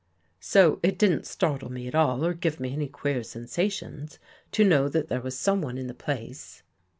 So It didn't startle me at all or give me any queer sensations to know that there was someone In the place.